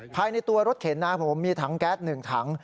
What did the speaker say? ภายในตัวรถเข็นนะผมมีถังแก๊ส๑ถัง